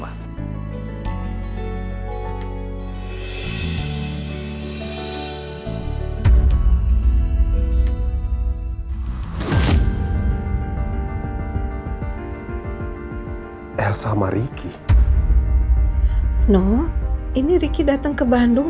if elsa mariki noi ini ricky datang ke bandung